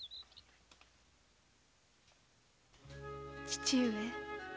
父上。